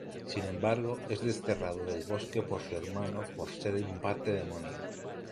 Sin embargo, es desterrado del bosque por su hermano por ser en parte demonio.